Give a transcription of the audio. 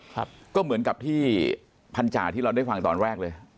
ครับก็เหมือนกับที่พันธาที่เราได้ฟังตอนแรกเลย